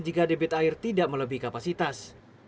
jika debit air tidak melebihi kapasitas